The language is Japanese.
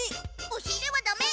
おし入れはダメ！